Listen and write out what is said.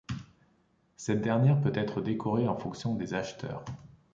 Cette dernière peut être décorée en fonction des acheteurs.